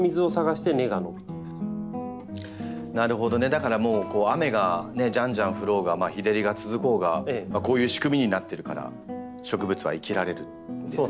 だから雨がじゃんじゃん降ろうが日照りが続こうがこういう仕組みになってるから植物は生きられるんですね。